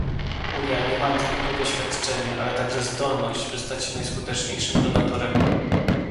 Unia ma nie tylko doświadczenie, ale także zdolność by stać się najskuteczniejszym donatorem